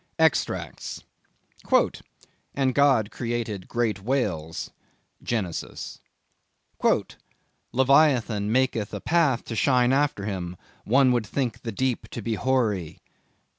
EXTRACTS. "And God created great whales." —Genesis. "Leviathan maketh a path to shine after him; One would think the deep to be hoary."